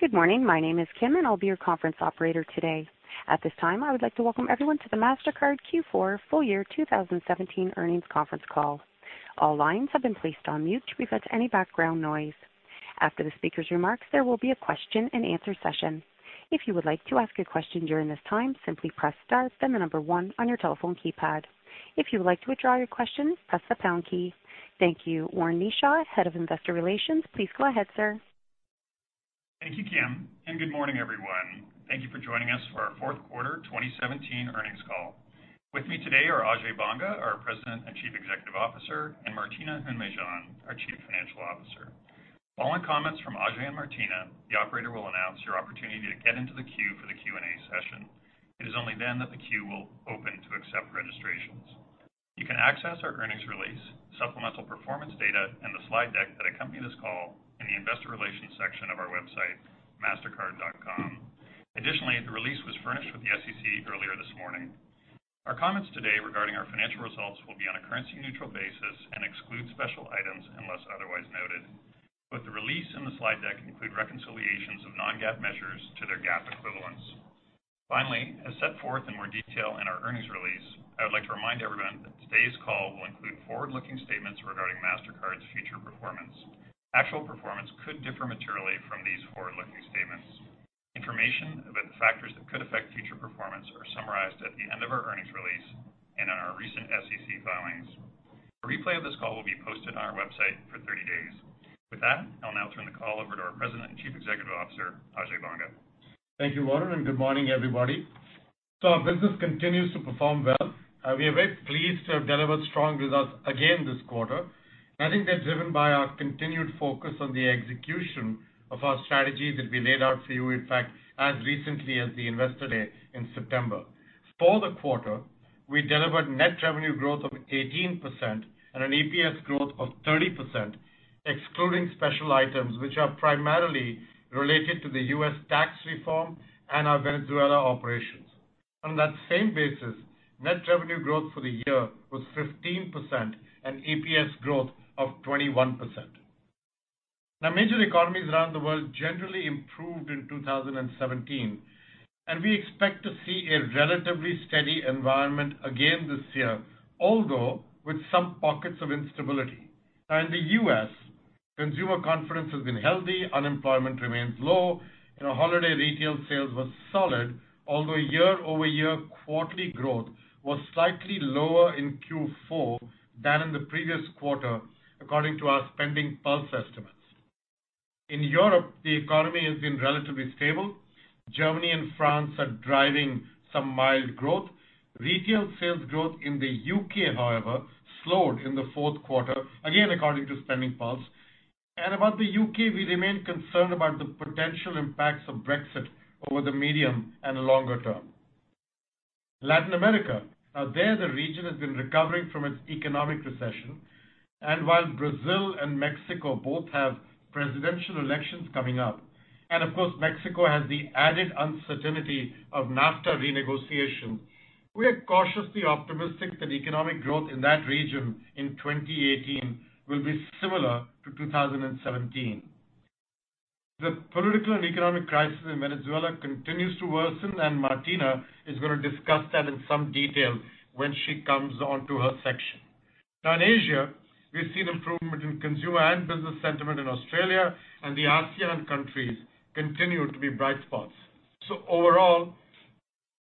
Good morning. My name is Kim. I'll be your conference operator today. At this time, I would like to welcome everyone to the Mastercard Q4 Full Year 2017 Earnings Conference Call. All lines have been placed on mute to prevent any background noise. After the speakers' remarks, there will be a question and answer session. If you would like to ask a question during this time, simply press star, then the number one on your telephone keypad. If you would like to withdraw your question, press the pound key. Thank you. Warren Kneeshaw, head of investor relations, please go ahead, sir. Thank you, Kim. Good morning, everyone. Thank you for joining us for our fourth quarter 2017 earnings call. With me today are Ajay Banga, our President and Chief Executive Officer, and Martina Hund-Mejean, our Chief Financial Officer. Following comments from Ajay and Martina, the operator will announce your opportunity to get into the queue for the Q&A session. It is only then that the queue will open to accept registrations. You can access our earnings release, supplemental performance data, and the slide deck that accompany this call in the investor relations section of our website, mastercard.com. Additionally, the release was furnished with the SEC earlier this morning. Our comments today regarding our financial results will be on a currency-neutral basis and exclude special items unless otherwise noted. Both the release and the slide deck include reconciliations of non-GAAP measures to their GAAP equivalents. Finally, as set forth in more detail in our earnings release, I would like to remind everyone that today's call will include forward-looking statements regarding Mastercard's future performance. Actual performance could differ materially from these forward-looking statements. Information about the factors that could affect future performance are summarized at the end of our earnings release and in our recent SEC filings. A replay of this call will be posted on our website for 30 days. With that, I'll now turn the call over to our President and Chief Executive Officer, Ajay Banga. Thank you, Warren. Good morning, everybody. Our business continues to perform well. We are very pleased to have delivered strong results again this quarter. I think they're driven by our continued focus on the execution of our strategies that we laid out for you, in fact, as recently as the Investor Day in September. For the quarter, we delivered net revenue growth of 18% and an EPS growth of 30%, excluding special items, which are primarily related to the U.S. Tax Reform and our Venezuela operations. On that same basis, net revenue growth for the year was 15% and EPS growth of 21%. Major economies around the world generally improved in 2017, and we expect to see a relatively steady environment again this year, although with some pockets of instability. In the U.S., consumer confidence has been healthy, unemployment remains low, and our holiday retail sales were solid, although year-over-year quarterly growth was slightly lower in Q4 than in the previous quarter, according to our SpendingPulse estimates. In Europe, the economy has been relatively stable. Germany and France are driving some mild growth. Retail sales growth in the U.K., however, slowed in the fourth quarter, again according to SpendingPulse. About the U.K., we remain concerned about the potential impacts of Brexit over the medium and longer term. Latin America. There, the region has been recovering from its economic recession. While Brazil and Mexico both have presidential elections coming up, and of course, Mexico has the added uncertainty of NAFTA renegotiation, we are cautiously optimistic that economic growth in that region in 2018 will be similar to 2017. The political and economic crisis in Venezuela continues to worsen, Martina is going to discuss that in some detail when she comes onto her section. In Asia, we've seen improvement in consumer and business sentiment in Australia and the ASEAN countries continue to be bright spots. Overall,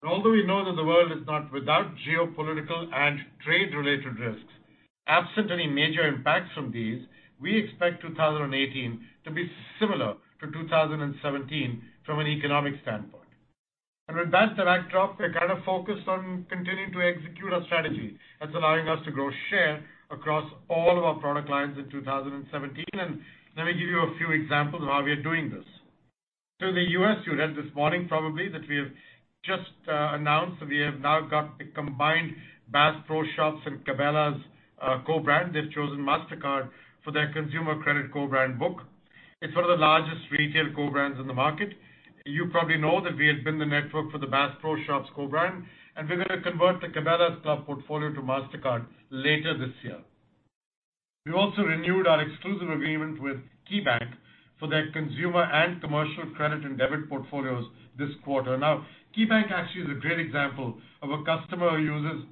although we know that the world is not without geopolitical and trade-related risks, absent any major impacts from these, we expect 2018 to be similar to 2017 from an economic standpoint. With that backdrop, we're focused on continuing to execute our strategy that's allowing us to grow share across all of our product lines in 2017. Let me give you a few examples of how we are doing this. The U.S., you read this morning probably that we have just announced that we have now got the combined Bass Pro Shops and Cabela's co-brand. They've chosen Mastercard for their consumer credit co-brand book. It's one of the largest retail co-brands in the market. You probably know that we have been the network for the Bass Pro Shops co-brand, and we're going to convert the Cabela's club portfolio to Mastercard later this year. We also renewed our exclusive agreement with KeyBank for their consumer and commercial credit and debit portfolios this quarter. KeyBank actually is a great example of a customer who uses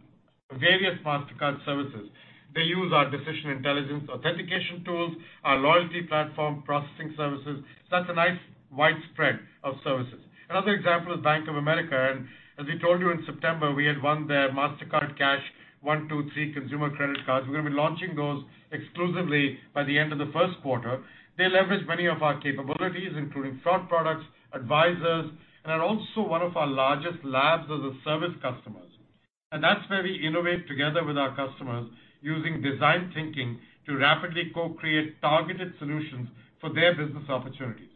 various Mastercard services. They use our Decision Intelligence authentication tools, our loyalty platform processing services. That's a nice wide spread of services. Another example is Bank of America, as we told you in September, we had won their [Mastercard cash 1|2|3] consumer credit cards. We're going to be launching those exclusively by the end of the first quarter. They leverage many of our capabilities, including fraud products, advisors, and are also one of our largest Labs as a Service customers. That's where we innovate together with our customers using design thinking to rapidly co-create targeted solutions for their business opportunities.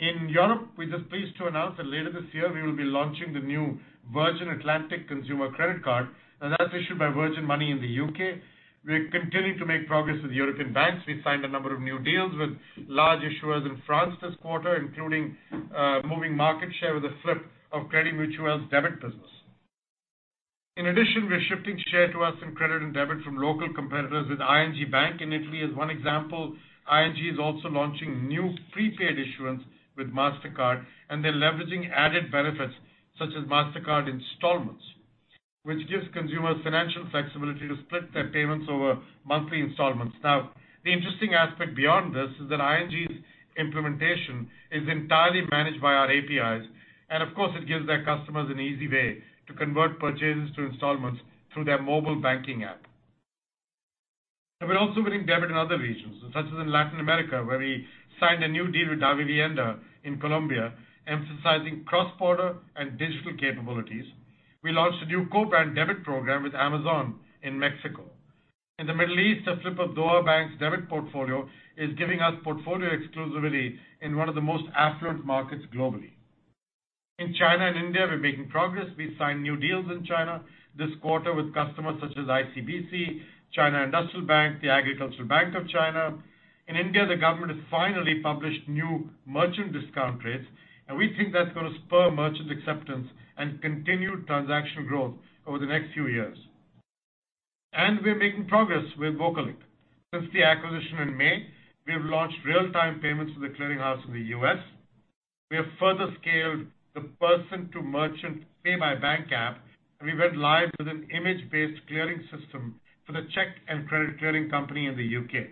In Europe, we're just pleased to announce that later this year, we will be launching the new Virgin Atlantic consumer credit card, and that's issued by Virgin Money in the U.K. We're continuing to make progress with European banks. We signed a number of new deals with large issuers in France this quarter, including moving market share with a flip of Crédit Mutuel's debit business. In addition, we're shifting share to us in credit and debit from local competitors with ING Bank in Italy as one example. ING is also launching new prepaid issuance with Mastercard. They're leveraging added benefits such as Mastercard Installments, which gives consumers financial flexibility to split their payments over monthly installments. The interesting aspect beyond this is that ING's implementation is entirely managed by our APIs. Of course it gives their customers an easy way to convert purchases to installments through their mobile banking app. We're also winning debit in other regions, such as in Latin America, where we signed a new deal with Davivienda in Colombia, emphasizing cross-border and digital capabilities. We launched a new co-brand debit program with Amazon in Mexico. In the Middle East, the flip of Doha Bank's debit portfolio is giving us portfolio exclusivity in one of the most affluent markets globally. In China and India, we're making progress. We've signed new deals in China this quarter with customers such as ICBC, China Industrial Bank, the Agricultural Bank of China. In India, the government has finally published new merchant discount rates. We think that's going to spur merchant acceptance and continued transaction growth over the next few years. We're making progress with VocaLink. Since the acquisition in May, we have launched real-time payments to The Clearing House in the U.S. We have further scaled the person-to-merchant Pay by Bank app. We went live with an image-based clearing system for the Cheque and Credit Clearing Company in the U.K.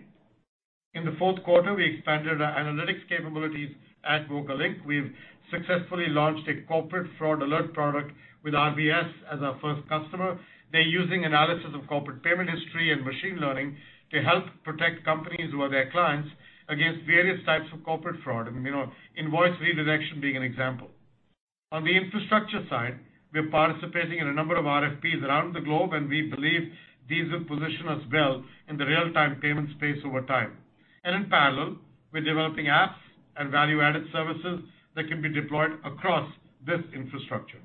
In the fourth quarter, we expanded our analytics capabilities at VocaLink. We've successfully launched a corporate fraud alert product with RBS as our first customer. They're using analysis of corporate payment history and machine learning to help protect companies or their clients against various types of corporate fraud. Invoice redirection being an example. On the infrastructure side, we're participating in a number of RFPs around the globe. We believe these will position us well in the real-time payment space over time. In parallel, we're developing apps and value-added services that can be deployed across this infrastructure.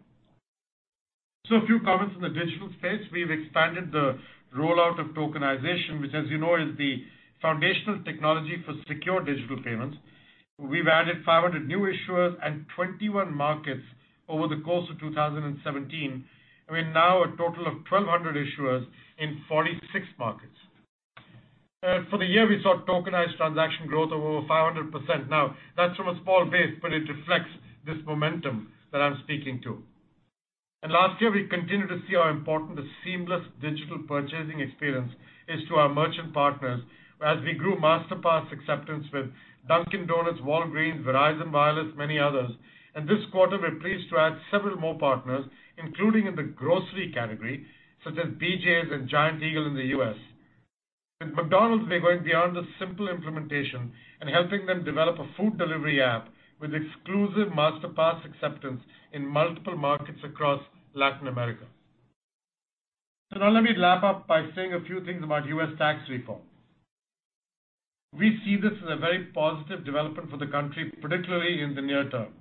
A few comments in the digital space. We've expanded the rollout of Tokenization, which as you know, is the foundational technology for secure digital payments. We've added 500 new issuers and 21 markets over the course of 2017. We're now a total of 1,200 issuers in 46 markets. For the year, we saw tokenized transaction growth of over 500%. That's from a small base, but it reflects this momentum that I'm speaking to. Last year, we continued to see how important the seamless digital purchasing experience is to our merchant partners as we grew Masterpass acceptance with Dunkin' Donuts, Walgreens, Verizon Wireless, many others. This quarter, we're pleased to add several more partners, including in the grocery category, such as BJ's and Giant Eagle in the U.S. With McDonald's, we're going beyond a simple implementation and helping them develop a food delivery app with exclusive Masterpass acceptance in multiple markets across Latin America. Let me wrap up by saying a few things about U.S. Tax Reform. We see this as a very positive development for the country, particularly in the near term,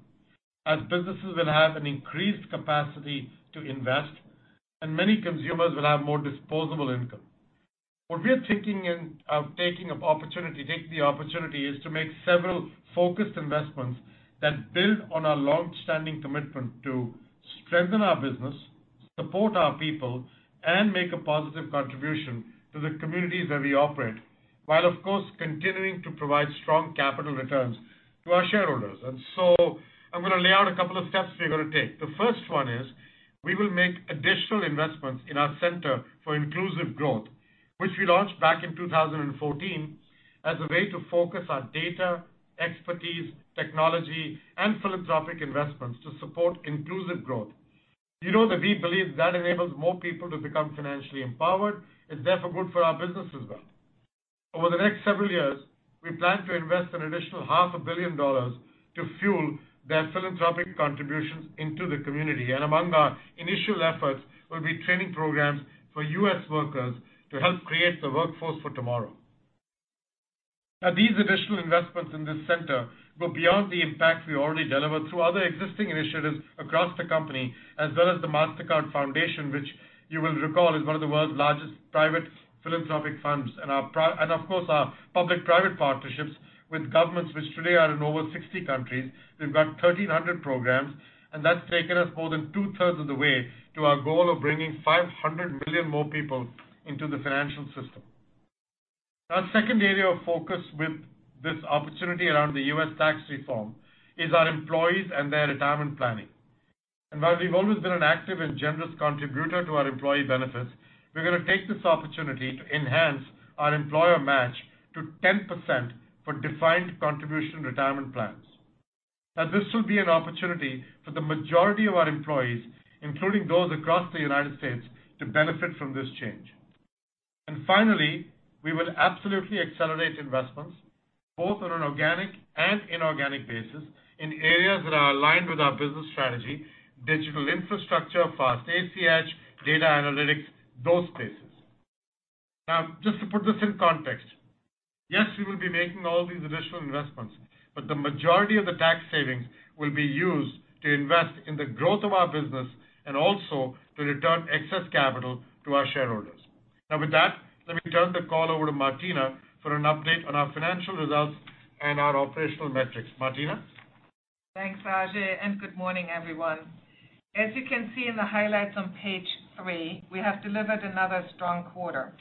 as businesses will have an increased capacity to invest and many consumers will have more disposable income. What we are taking the opportunity is to make several focused investments that build on our longstanding commitment to strengthen our business, support our people, and make a positive contribution to the communities where we operate, while of course, continuing to provide strong capital returns to our shareholders. I'm going to lay out a couple of steps we're going to take. The first one is we will make additional investments in our Center for Inclusive Growth, which we launched back in 2014 as a way to focus our data, expertise, technology, and philanthropic investments to support inclusive growth. You know that we believe that enables more people to become financially empowered, it's therefore good for our business as well. Over the next several years, we plan to invest an additional half a billion dollars to fuel their philanthropic contributions into the community. Among our initial efforts will be training programs for U.S. workers to help create the workforce for tomorrow. Now, these additional investments in this center go beyond the impact we already delivered through other existing initiatives across the company, as well as the Mastercard Foundation, which you will recall is one of the world's largest private philanthropic funds. Of course, our public-private partnerships with governments, which today are in over 60 countries. We've got 1,300 programs, and that's taken us more than two-thirds of the way to our goal of bringing 500 million more people into the financial system. Our second area of focus with this opportunity around the U.S. Tax Reform is our employees and their retirement planning. While we've always been an active and generous contributor to our employee benefits, we're going to take this opportunity to enhance our employer match to 10% for defined contribution retirement plans. Now, this will be an opportunity for the majority of our employees, including those across the United States, to benefit from this change. Finally, we will absolutely accelerate investments both on an organic and inorganic basis in areas that are aligned with our business strategy, digital infrastructure, Fast ACH, data analytics, those places. Now, just to put this in context, yes, we will be making all these additional investments, the majority of the tax savings will be used to invest in the growth of our business and also to return excess capital to our shareholders. Now, with that, let me turn the call over to Martina for an update on our financial results and our operational metrics. Martina? Thanks, Ajay, and good morning, everyone. As you can see in the highlights on page three, we have delivered another strong quarter.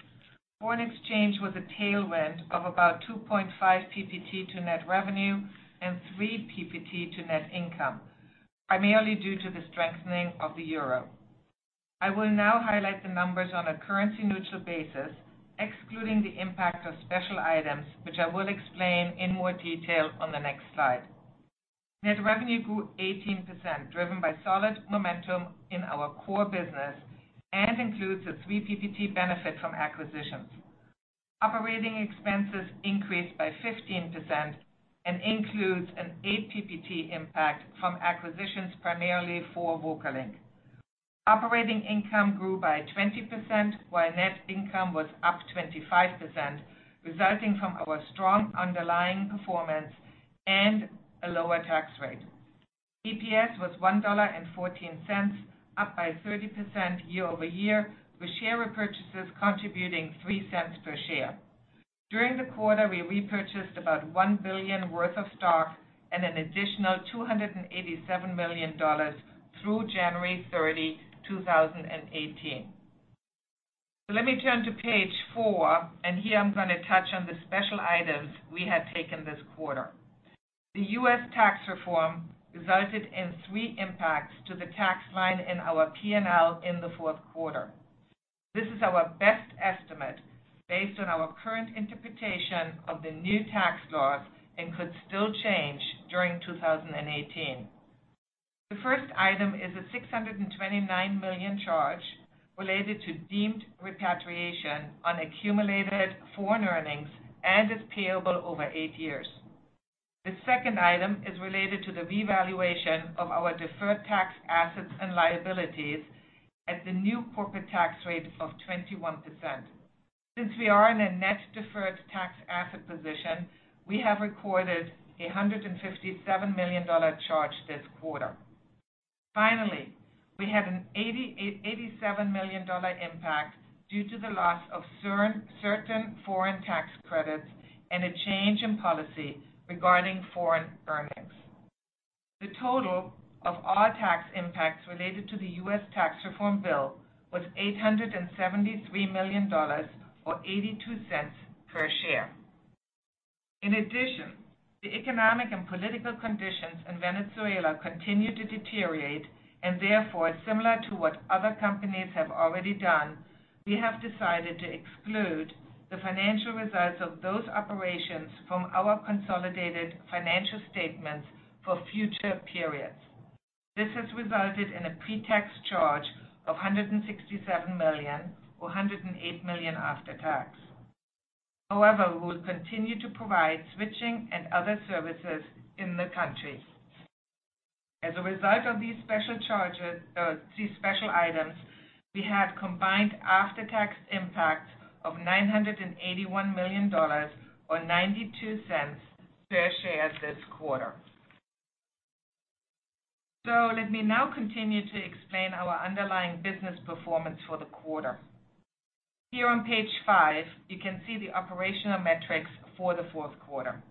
Foreign exchange was a tailwind of about 2.5 PPT to net revenue and three PPT to net income, primarily due to the strengthening of the euro. I will now highlight the numbers on a currency-neutral basis, excluding the impact of special items, which I will explain in more detail on the next slide. Net revenue grew 18%, driven by solid momentum in our core business and includes a three PPT benefit from acquisitions. Operating expenses increased by 15% and includes an eight PPT impact from acquisitions primarily for VocaLink. Operating income grew by 20%, while net income was up 25%, resulting from our strong underlying performance and a lower tax rate. EPS was $1.14, up by 30% year-over-year, with share repurchases contributing $0.03 per share. During the quarter, we repurchased about $1 billion worth of stock and an additional $287 million through January 30, 2018. Let me turn to page four, and here, I'm going to touch on the special items we have taken this quarter. The U.S. Tax Reform resulted in three impacts to the tax line in our P&L in the fourth quarter. This is our best estimate based on our current interpretation of the new tax laws and could still change during 2018. The first item is a $629 million charge related to deemed repatriation on accumulated foreign earnings and is payable over eight years. The second item is related to the revaluation of our deferred tax assets and liabilities at the new corporate tax rate of 21%. Since we are in a net deferred tax asset position, we have recorded a $157 million charge this quarter. Finally, we had an $87 million impact due to the loss of certain foreign tax credits and a change in policy regarding foreign earnings. The total of all tax impacts related to the U.S. Tax Reform Bill was $873 million, or $0.82 per share. In addition, the economic and political conditions in Venezuela continue to deteriorate and therefore, similar to what other companies have already done, we have decided to exclude the financial results of those operations from our consolidated financial statements for future periods. This has resulted in a pre-tax charge of $167 million, or $108 million after tax. However, we will continue to provide switching and other services in the country. As a result of these special items, we had combined after-tax impacts of $981 million or $0.92 per share this quarter. Let me now continue to explain our underlying business performance for the quarter. Here on page five, you can see the operational metrics for the fourth quarter.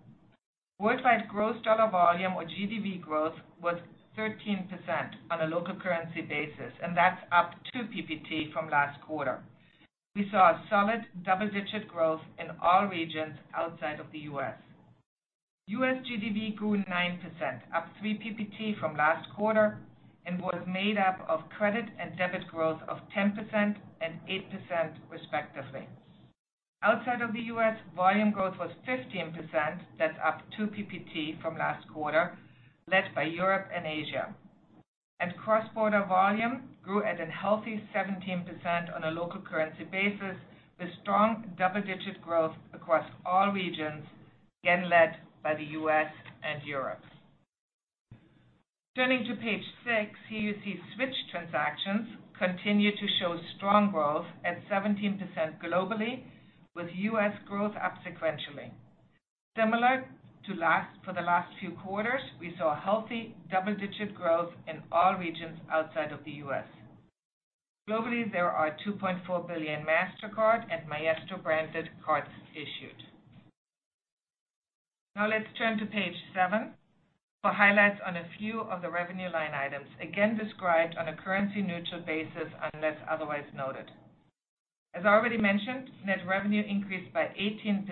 Worldwide gross dollar volume or GDV growth was 13% on a local currency basis, and that's up two PPT from last quarter. We saw a solid double-digit growth in all regions outside of the U.S. U.S. GDV grew 9%, up three PPT from last quarter and was made up of credit and debit growth of 10% and 8% respectively. Outside of the U.S., volume growth was 15%, that's up two PPT from last quarter, led by Europe and Asia. Cross-border volume grew at a healthy 17% on a local currency basis, with strong double-digit growth across all regions, again led by the U.S. and Europe. Turning to page six, here you see switch transactions continue to show strong growth at 17% globally with U.S. growth up sequentially. Similar for the last few quarters, we saw healthy double-digit growth in all regions outside of the U.S. Globally, there are 2.4 billion Mastercard and Maestro branded cards issued. Now let's turn to page seven for highlights on a few of the revenue line items, again described on a currency-neutral basis unless otherwise noted. As I already mentioned, net revenue increased by 18%,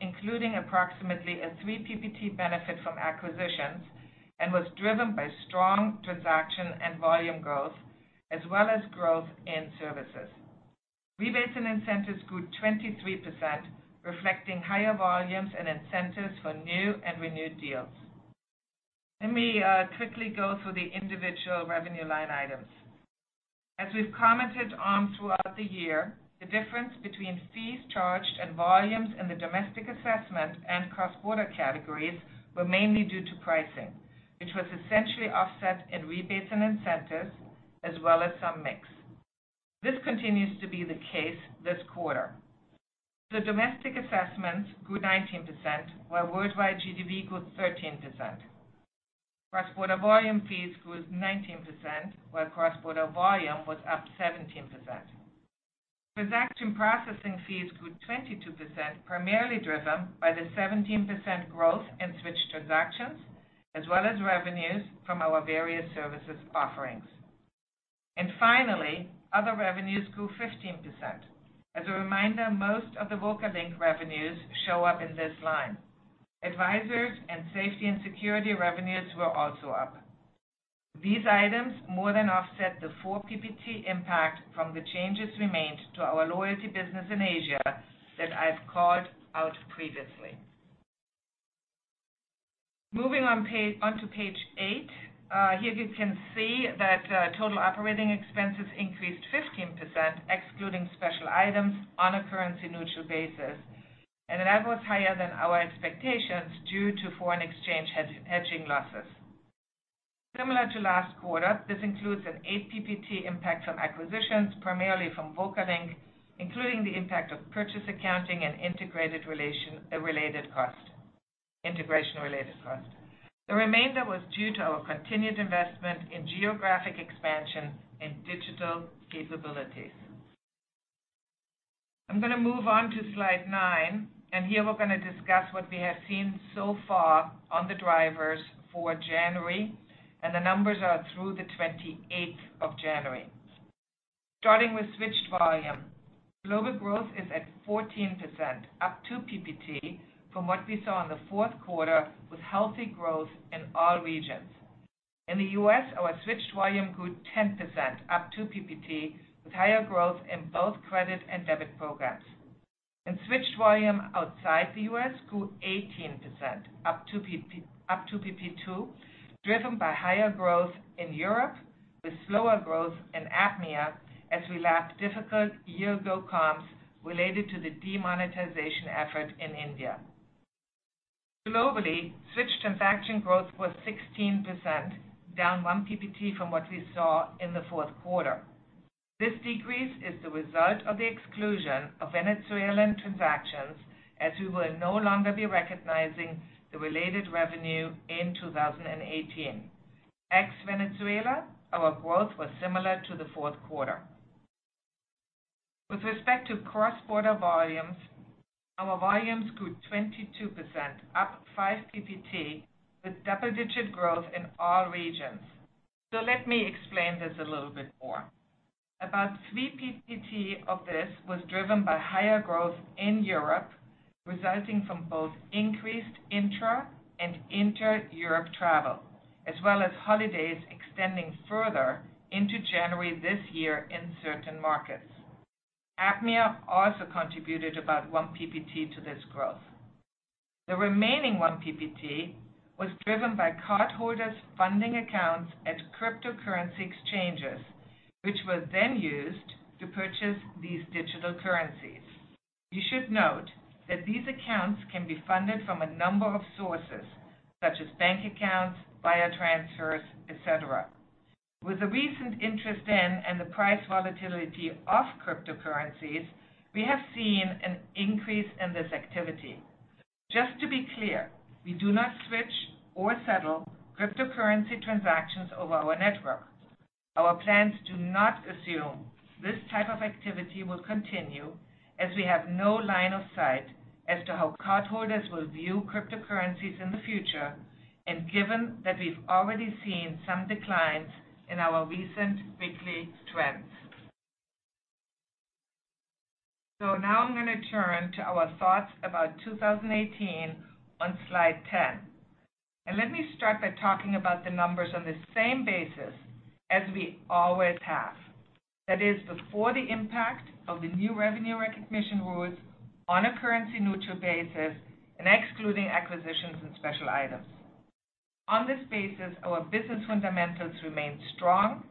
including approximately a three PPT benefit from acquisitions, and was driven by strong transaction and volume growth, as well as growth in services. Rebates and incentives grew 23%, reflecting higher volumes and incentives for new and renewed deals. Let me quickly go through the individual revenue line items. As we've commented on throughout the year, the difference between fees charged and volumes in the domestic assessment and cross-border categories were mainly due to pricing, which was essentially offset in rebates and incentives, as well as some mix. This continues to be the case this quarter. The domestic assessments grew 19%, while worldwide GDV grew 13%. Cross-border volume fees grew 19%, while cross-border volume was up 17%. Transaction processing fees grew 22%, primarily driven by the 17% growth in switched transactions, as well as revenues from our various services offerings. Finally, other revenues grew 15%. As a reminder, most of the VocaLink revenues show up in this line. Advisors and safety and security revenues were also up. These items more than offset the four PPT impact from the changes we made to our loyalty business in Asia that I've called out previously. Moving on to page eight. Here you can see that total operating expenses increased 15%, excluding special items on a currency-neutral basis, and that was higher than our expectations due to foreign exchange hedging losses. Similar to last quarter, this includes an eight PPT impact from acquisitions primarily from VocaLink, including the impact of purchase accounting and integration-related cost. The remainder was due to our continued investment in geographic expansion and digital capabilities. I'm going to move on to slide nine, and here we're going to discuss what we have seen so far on the drivers for January, and the numbers are through the 28th of January. Starting with switched volume. Global growth is at 14%, up two PPT from what we saw in the fourth quarter with healthy growth in all regions. In the U.S., our switched volume grew 10%, up two PPT, with higher growth in both credit and debit programs. In switched volume outside the U.S. grew 18%, up two PPT, driven by higher growth in Europe with slower growth in APMEA as we lap difficult year-ago comps related to the demonetization effort in India. Globally, switched transaction growth was 16%, down one PPT from what we saw in the fourth quarter. This decrease is the result of the exclusion of Venezuelan transactions, as we will no longer be recognizing the related revenue in 2018. Ex Venezuela, our growth was similar to the fourth quarter. With respect to cross-border volumes, our volumes grew 22%, up five PPT, with double-digit growth in all regions. Let me explain this a little bit more. About three PPT of this was driven by higher growth in Europe, resulting from both increased intra- and inter-Europe travel, as well as holidays extending further into January this year in certain markets. APMEA also contributed about one PPT to this growth. The remaining one PPT was driven by cardholders funding accounts at cryptocurrency exchanges, which were then used to purchase these digital currencies. You should note that these accounts can be funded from a number of sources such as bank accounts, wire transfers, et cetera. With the recent interest in and the price volatility of cryptocurrencies, we have seen an increase in this activity. Just to be clear, we do not switch or settle cryptocurrency transactions over our network. Our plans do not assume this type of activity will continue, as we have no line of sight as to how cardholders will view cryptocurrencies in the future, and given that we've already seen some declines in our recent weekly trends. Now I'm going to turn to our thoughts about 2018 on slide 10. Let me start by talking about the numbers on the same basis as we always have. That is, before the impact of the new revenue recognition rules on a currency-neutral basis and excluding acquisitions and special items. On this basis, our business fundamentals remain strong,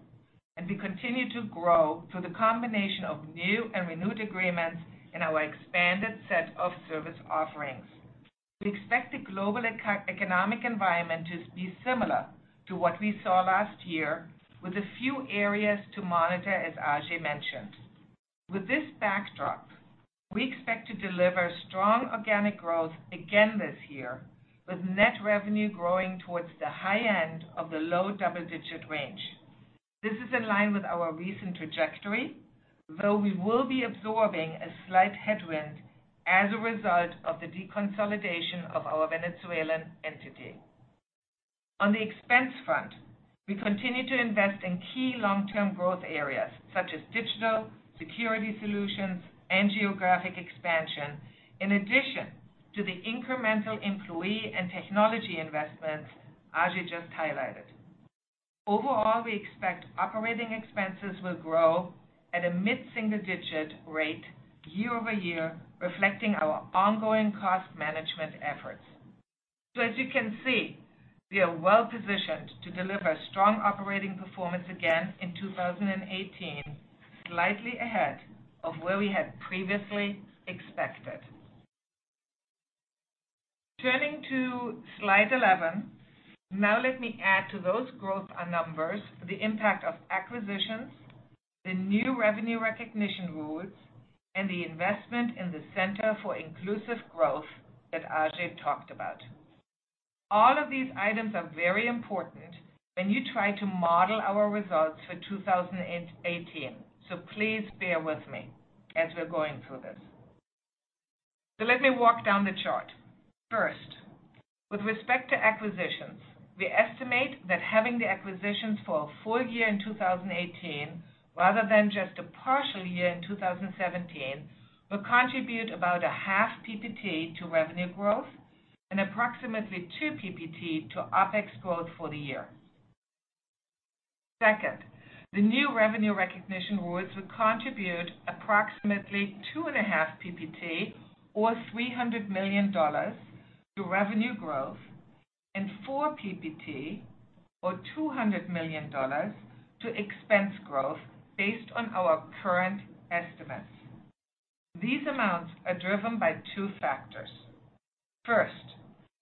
and we continue to grow through the combination of new and renewed agreements in our expanded set of service offerings. We expect the global economic environment to be similar to what we saw last year, with a few areas to monitor, as Ajay mentioned. With this backdrop, we expect to deliver strong organic growth again this year, with net revenue growing towards the high end of the low double-digit range. This is in line with our recent trajectory, though we will be absorbing a slight headwind as a result of the deconsolidation of our Venezuelan entity. On the expense front, we continue to invest in key long-term growth areas such as digital security solutions and geographic expansion, in addition to the incremental employee and technology investments Ajay just highlighted. Overall, we expect operating expenses will grow at a mid-single-digit rate year-over-year, reflecting our ongoing cost management efforts. As you can see, we are well positioned to deliver strong operating performance again in 2018, slightly ahead of where we had previously expected. Turning to slide 11. Now let me add to those growth numbers the impact of acquisitions, the new revenue recognition rules, and the investment in the Center for Inclusive Growth that Ajay talked about. All of these items are very important when you try to model our results for 2018. Please bear with me as we're going through this. Let me walk down the chart. First, with respect to acquisitions, we estimate that having the acquisitions for a full year in 2018, rather than just a partial year in 2017, will contribute about a half PPT to revenue growth and approximately two PPT to OPEX growth for the year. Second, the new revenue recognition rules will contribute approximately two and a half PPT, or $300 million, to revenue growth and four PPT, or $200 million, to expense growth based on our current estimates. These amounts are driven by two factors. First,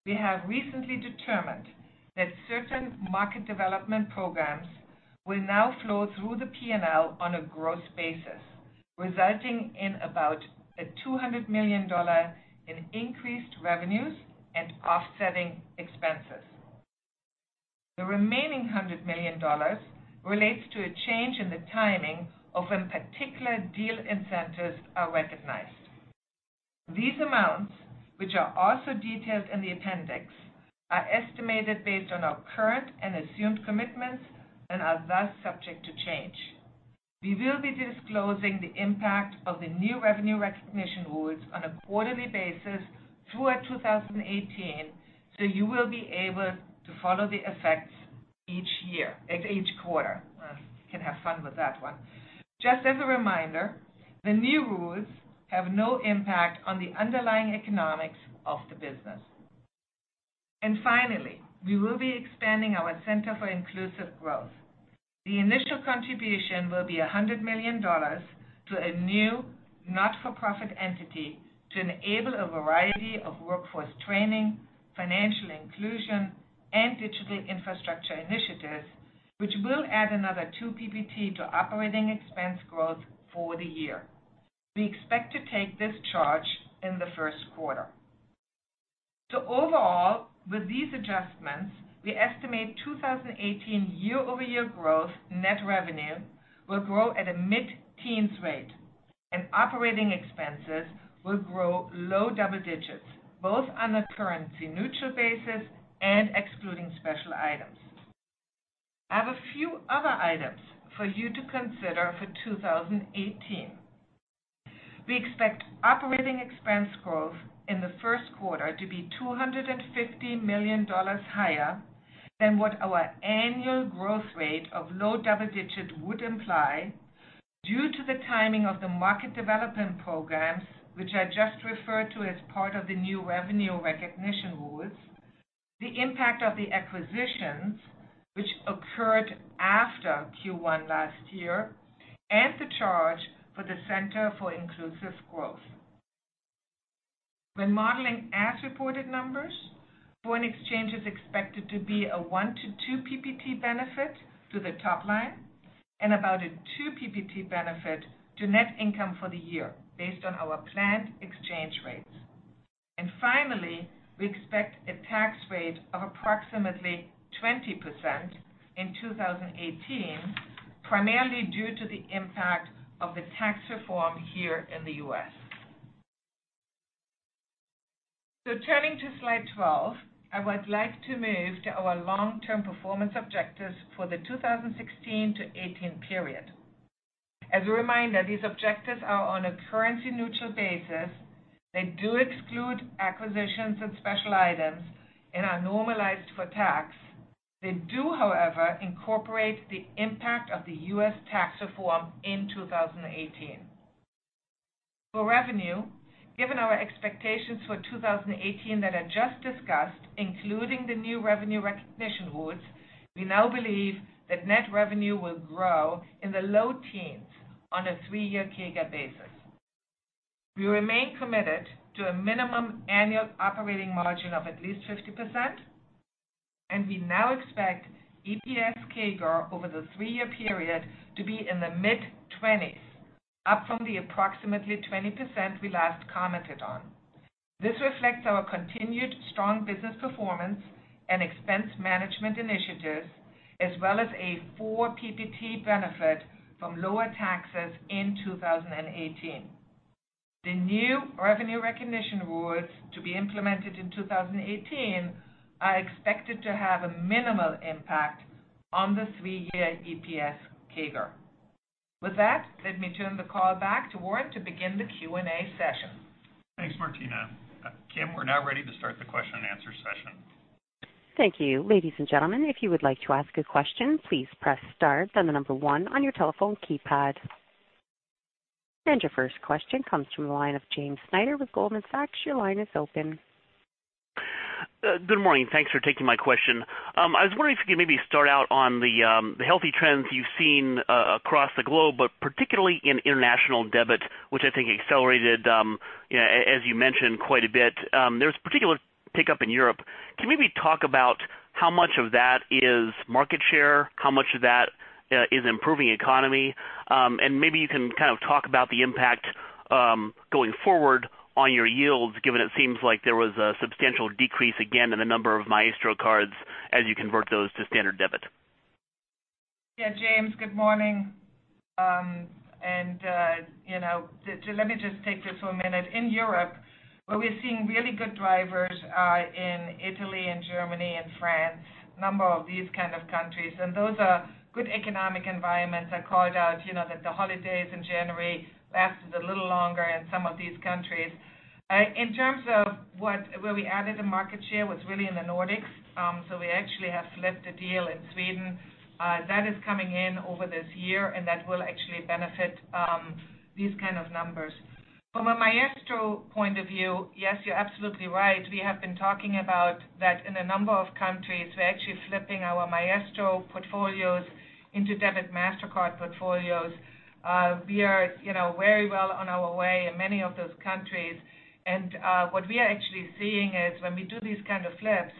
we have recently determined that certain market development programs will now flow through the P&L on a gross basis, resulting in about a $200 million in increased revenues and offsetting expenses. The remaining $100 million relates to a change in the timing of when particular deal incentives are recognized. These amounts, which are also detailed in the appendix, are estimated based on our current and assumed commitments and are thus subject to change. We will be disclosing the impact of the new revenue recognition rules on a quarterly basis throughout 2018. You will be able to follow the effects each quarter. Can have fun with that one. Just as a reminder, the new rules have no impact on the underlying economics of the business. Finally, we will be expanding our Center for Inclusive Growth. The initial contribution will be $100 million to a new not-for-profit entity to enable a variety of workforce training, financial inclusion, and digital infrastructure initiatives, which will add another two PPT to operating expense growth for the year. We expect to take this charge in the first quarter. Overall, with these adjustments, we estimate 2018 year-over-year growth net revenue will grow at a mid-teens rate, and operating expenses will grow low double digits, both on a currency-neutral basis and excluding special items. I have a few other items for you to consider for 2018. We expect operating expense growth in the first quarter to be $250 million higher than what our annual growth rate of low double digits would imply due to the timing of the market development programs, which I just referred to as part of the new revenue recognition rules, the impact of the acquisitions, which occurred after Q1 last year, and the charge for the Center for Inclusive Growth. When modeling as-reported numbers, foreign exchange is expected to be a one to two PPT benefit to the top line and about a two PPT benefit to net income for the year based on our planned exchange rates. Finally, we expect a tax rate of approximately 20% in 2018, primarily due to the impact of the U.S. Tax Reform here in the U.S. Turning to slide 12, I would like to move to our long-term performance objectives for the 2016 to 2018 period. As a reminder, these objectives are on a currency-neutral basis. They do exclude acquisitions and special items and are normalized for tax. They do, however, incorporate the impact of the U.S. Tax Reform in 2018. For revenue, given our expectations for 2018 that I just discussed, including the new revenue recognition rules, we now believe that net revenue will grow in the low teens on a three-year CAGR basis. We remain committed to a minimum annual operating margin of at least 50%, and we now expect EPS CAGR over the three-year period to be in the mid-20s, up from the approximately 20% we last commented on. This reflects our continued strong business performance and expense management initiatives, as well as a four PPT benefit from lower taxes in 2018. The new revenue recognition rules to be implemented in 2018 are expected to have a minimal impact on the three-year EPS CAGR. With that, let me turn the call back to Warren to begin the Q&A session. Thanks, Martina. Kim, we're now ready to start the question and answer session. Thank you. Ladies and gentlemen, if you would like to ask a question, please press star, then the number one on your telephone keypad. Your first question comes from the line of James Schneider with Goldman Sachs. Your line is open. Good morning. Thanks for taking my question. I was wondering if you could maybe start out on the healthy trends you've seen across the globe, but particularly in international debit, which I think accelerated, as you mentioned, quite a bit. There's particular pickup in Europe. Can you maybe talk about How much of that is market share? How much of that is improving economy? Maybe you can talk about the impact going forward on your yields, given it seems like there was a substantial decrease again in the number of Maestro cards as you convert those to standard debit. James, good morning. Let me just take this for a minute. In Europe, where we're seeing really good drivers are in Italy and Germany and France, a number of these kind of countries. Those are good economic environments. I called out that the holidays in January lasted a little longer in some of these countries. In terms of where we added the market share was really in the Nordics. We actually have flipped a deal in Sweden. That is coming in over this year, and that will actually benefit these kind of numbers. From a Maestro point of view, yes, you're absolutely right. We have been talking about that in a number of countries. We're actually flipping our Maestro portfolios into Debit Mastercard portfolios. We are very well on our way in many of those countries. What we are actually seeing is when we do these kind of flips,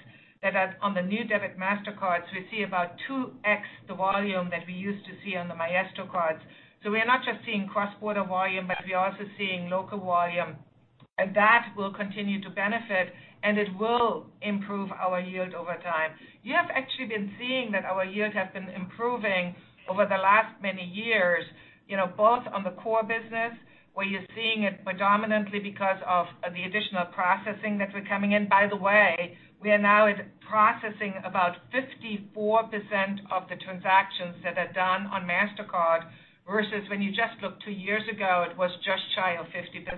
that on the new Debit Mastercards, we see about 2x the volume that we used to see on the Maestro cards. We are not just seeing cross-border volume, but we are also seeing local volume. That will continue to benefit, and it will improve our yield over time. You have actually been seeing that our yields have been improving over the last many years, both on the core business where you're seeing it predominantly because of the additional processing that we're coming in. By the way, we are now at processing about 54% of the transactions that are done on Mastercard versus when you just look two years ago, it was just shy of 50%.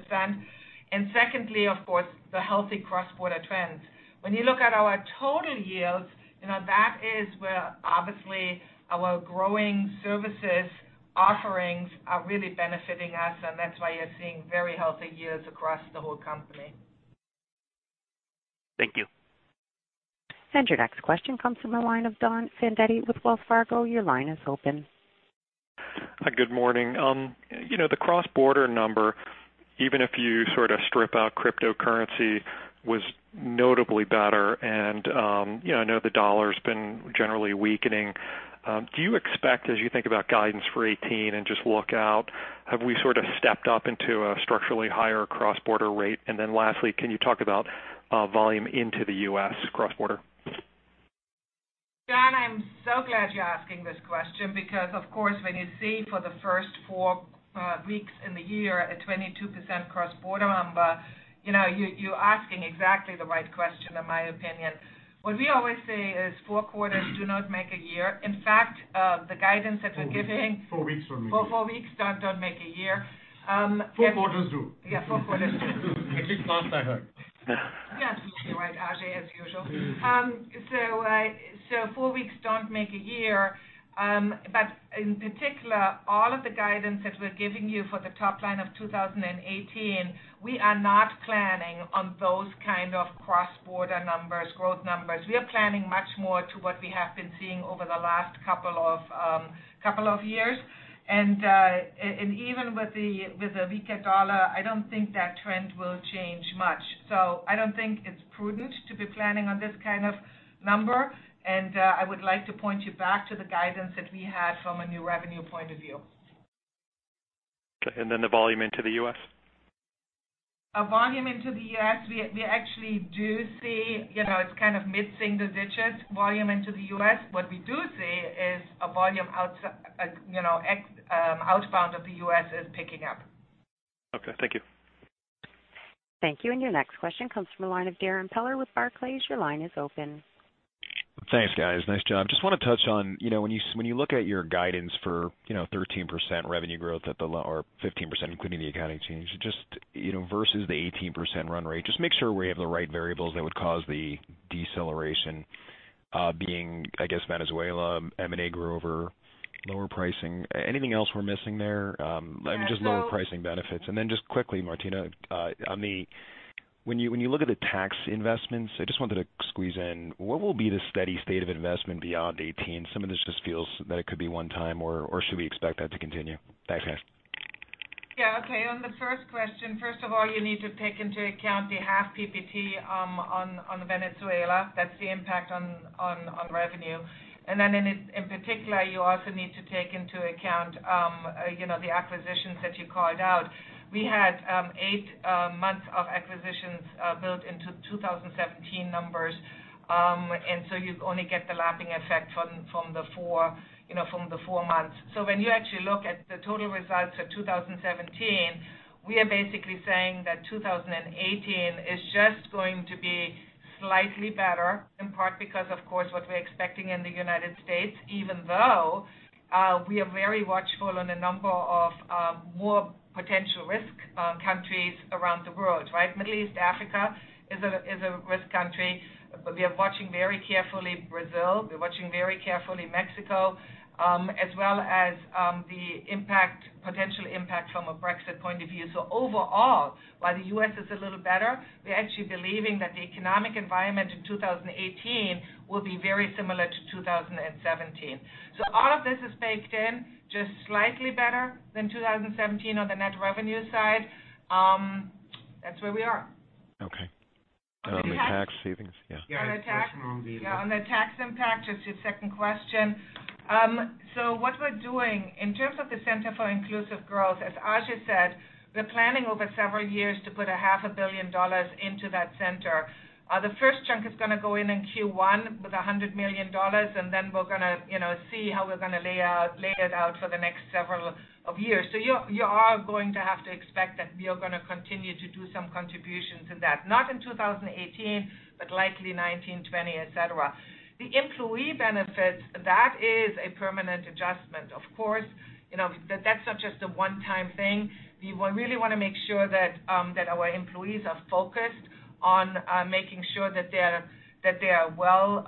Secondly, of course, the healthy cross-border trends. When you look at our total yields, that is where obviously our growing services offerings are really benefiting us, and that's why you're seeing very healthy yields across the whole company. Thank you. Your next question comes from the line of Donald Fandetti with Wells Fargo. Your line is open. Hi, good morning. The cross-border number, even if you sort of strip out cryptocurrency, was notably better. I know the dollar has been generally weakening. Do you expect, as you think about guidance for 2018 and just look out, have we sort of stepped up into a structurally higher cross-border rate? Lastly, can you talk about volume into the U.S. cross-border? Don, I'm so glad you're asking this question because, of course, when you see for the first four weeks in the year a 22% cross-border number, you're asking exactly the right question, in my opinion. What we always say is four quarters do not make a year. In fact, the guidance that we're giving- Four weeks. Four weeks for me. Four weeks, Don, don't make a year. Four quarters do. Yeah, four quarters do. At least last I heard. You're absolutely right, Ajay, as usual. Four weeks don't make a year. In particular, all of the guidance that we're giving you for the top line of 2018, we are not planning on those kind of cross-border numbers, growth numbers. We are planning much more to what we have been seeing over the last couple of years. Even with the weaker dollar, I don't think that trend will change much. I don't think it's prudent to be planning on this kind of number. I would like to point you back to the guidance that we had from a new revenue point of view. Okay, then the volume into the U.S.? Volume into the U.S., we actually do see it's kind of mid-single digits volume into the U.S. What we do see is a volume outbound of the U.S. is picking up. Okay, thank you. Thank you. Your next question comes from the line of Darrin Peller with Barclays. Your line is open. Thanks, guys. Nice job. Just want to touch on when you look at your guidance for 13% revenue growth at the low or 15%, including the accounting change, just versus the 18% run rate, just make sure we have the right variables that would cause the deceleration being, I guess, Venezuela, M&A grew over lower pricing. Anything else we're missing there? I mean, just lower pricing benefits. Just quickly, Martina, when you look at the tax investments, I just wanted to squeeze in, what will be the steady state of investment beyond 2018? Some of this just feels that it could be one time or should we expect that to continue? Thanks, guys. Yeah. Okay, on the first question, first of all, you need to take into account the half PPT on Venezuela. That's the impact on revenue. In particular, you also need to take into account the acquisitions that you called out. We had eight months of acquisitions built into 2017 numbers. You only get the lapping effect from the four months. When you actually look at the total results for 2017, we are basically saying that 2018 is just going to be slightly better, in part because, of course, what we're expecting in the U.S., even though we are very watchful on a number of more potential risk countries around the world, right? Middle East Africa is a risk country. We are watching very carefully Brazil. We're watching very carefully Mexico as well as the potential impact from a Brexit point of view. Overall, while the U.S. is a little better, we are actually believing that the economic environment in 2018 will be very similar to 2017. All of this is baked in just slightly better than 2017 on the net revenue side. That's where we are. Okay. On the tax savings? Yeah. On the tax- Yeah, a question on the- Yeah, on the tax impact, just your second question. What we're doing in terms of the Center for Inclusive Growth, as Ajay said, we're planning over several years to put a half a billion dollars into that center. The first chunk is going to go in in Q1 with $100 million, we're going to see how we're going to lay it out for the next several of years. You are going to have to expect that we are going to continue to do some contributions in that. Not in 2018, but likely 2019, 2020, et cetera. The employee benefits, that is a permanent adjustment. Of course, that's not just a one-time thing. We really want to make sure that our employees are focused on making sure that they are well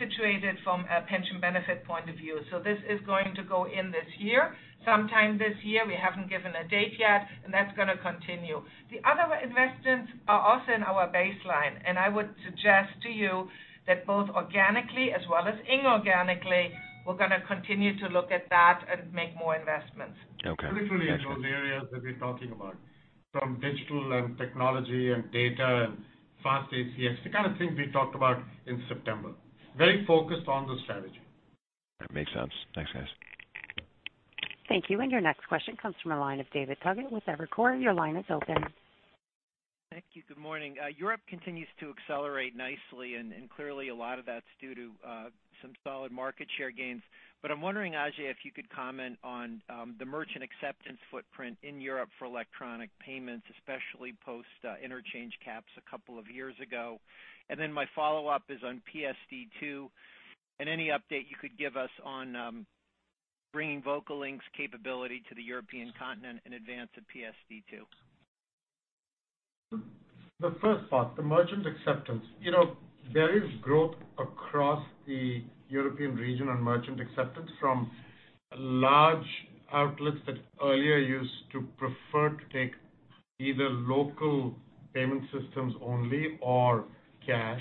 situated from a pension benefit point of view. This is going to go in this year, sometime this year. We haven't given a date yet, that's going to continue. The other investments are also in our baseline, I would suggest to you that both organically as well as inorganically, we're going to continue to look at that and make more investments. Okay. Literally in those areas that we're talking about, from digital and technology and data and Fast ACH, the kind of things we talked about in September. Very focused on the strategy. That makes sense. Thanks, guys. Thank you. Your next question comes from the line of David Togut with Evercore. Your line is open. Thank you. Good morning. Europe continues to accelerate nicely. Clearly a lot of that's due to some solid market share gains. I'm wondering, Ajay, if you could comment on the merchant acceptance footprint in Europe for electronic payments, especially post interchange caps a couple of years ago. My follow-up is on PSD2, and any update you could give us on bringing VocaLink's capability to the European continent in advance of PSD2. The first part, the merchant acceptance. There is growth across the European region on merchant acceptance from large outlets that earlier used to prefer to take either local payment systems only or cash.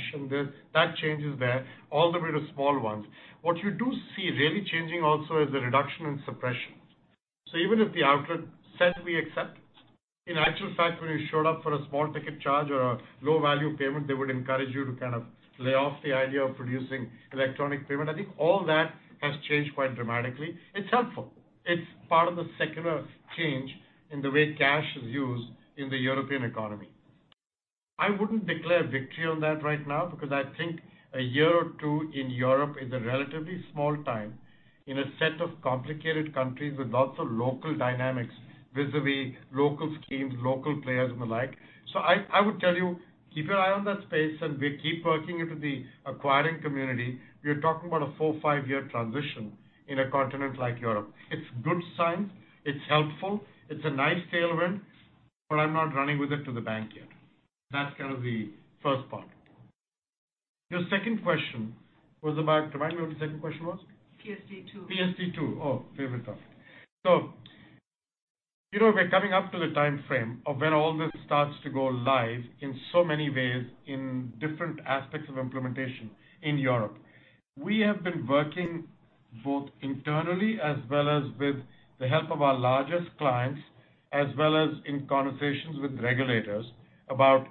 That change is there, all the way to small ones. What you do see really changing also is the reduction in suppression. Even if the outlet said, "We accept," in actual fact, when you showed up for a small ticket charge or a low-value payment, they would encourage you to lay off the idea of producing electronic payment. I think all that has changed quite dramatically. It's helpful. It's part of the secular change in the way cash is used in the European economy. I wouldn't declare victory on that right now because I think a year or two in Europe is a relatively small time in a set of complicated countries with lots of local dynamics vis-a-vis local schemes, local players, and the like. I would tell you, keep your eye on that space and we keep working with the acquiring community. We are talking about a four, five-year transition in a continent like Europe. It's good signs. It's helpful. It's a nice tailwind. I'm not running with it to the bank yet. That's the first part. Your second question was about, do you mind me what the second question was? PSD2. PSD2. Oh, favorite topic. We're coming up to the timeframe of when all this starts to go live in so many ways in different aspects of implementation in Europe. We have been working both internally as well as with the help of our largest clients, as well as in conversations with regulators about